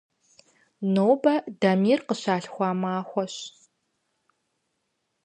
Нобэ Дамир къыщалъхуа махуэщ.